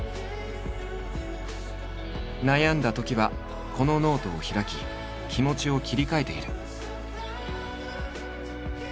悩んだときはこのノートを開き気持ちを切り替えている。